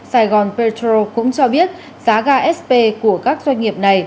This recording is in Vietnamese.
sài gòn petro cũng cho biết giá ga sp của các doanh nghiệp này